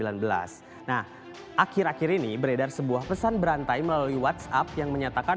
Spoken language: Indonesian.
nah akhir akhir ini beredar sebuah pesan berantai melalui whatsapp yang menyatakan